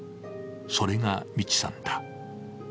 それが、ミチさんだ。